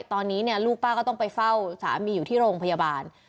ตอนนี้ลูกป้าก็ต้องไปเฝ้าสามีอยู่ที่โรงพยาบาล